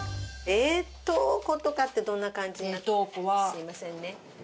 すいませんね。